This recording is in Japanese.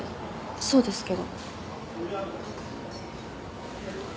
そうですけど。